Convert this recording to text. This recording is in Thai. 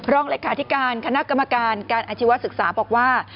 รองเลขาธิการคณะกรรมการการอาชีวศึกษาบอกว่า